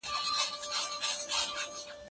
هغه اتلس کلنه نجلۍ په خپل کور کې بندي وه.